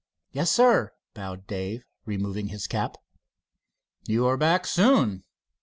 "Yes, Sir," bowed Dave, removing his cap. "You are back soon."